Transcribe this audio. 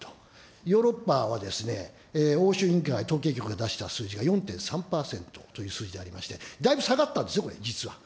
ヨーロッパは欧州委員会、統計局で出した数字が４．３％という数字でありまして、だいぶ下がったんですね、これ、実は。